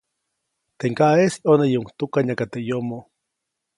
Teʼ ŋgaʼeʼis ʼyonäyuʼuŋ tukanyaka teʼ yomo,.